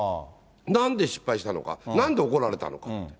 なんで失敗したのか、なんで怒られたのか。